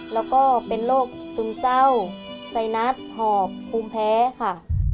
แล้วก็เป็นโรคซึมเศร้าไซนัสหอบภูมิแพ้ค่ะ